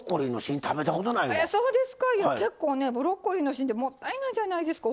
いや結構ねブロッコリーの芯ってもったいないじゃないですか。